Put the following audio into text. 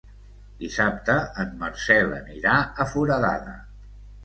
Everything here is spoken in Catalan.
Dissabte en Marcel anirà a Foradada.